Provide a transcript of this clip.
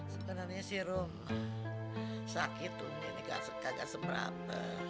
sebenarnya sih rom sakit ummi ini kagak seberata